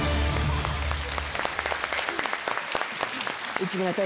内村さん